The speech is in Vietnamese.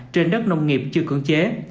trên đất nông nghiệp chưa cưỡng chế